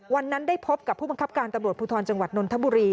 วันนั้นได้พบกับผู้บังคับการตำรวจภูทรจังหวัดนนทบุรี